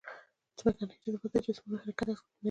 ځمکنۍ جاذبه د جسمونو حرکت اغېزمنوي.